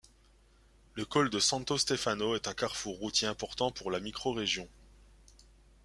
Le col de Santo Stefano est un carrefour routier important pour la microrégion.